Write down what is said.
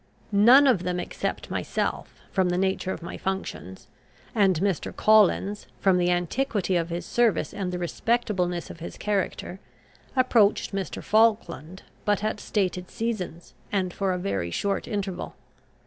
None of them, except myself, from the nature of my functions, and Mr. Collins, from the antiquity of his service and the respectableness of his character, approached Mr. Falkland, but at stated seasons and for a very short interval.